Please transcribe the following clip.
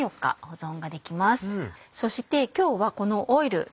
そして今日はこのオイルで。